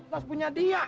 tas punya dia